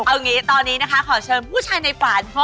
เอางี้ตอนนี้นะคะขอเชิญผู้ชายในฝัน